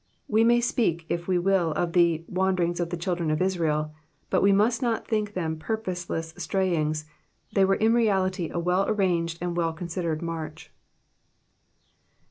We may speak, if we will, of the *' wanderings of the children of Israel," but we must not think them purposeless strayings, they were in reality a well arranged and well considered march.